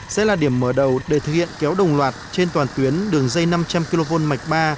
sẽ là điểm mở đầu để thực hiện kéo đồng loạt trên toàn tuyến đường dây năm trăm linh kv mạch ba